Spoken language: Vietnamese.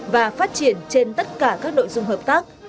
và phát triển trên tất cả các nội dung hợp tác